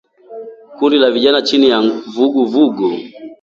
Kundi la vijana chini ya vugu vugu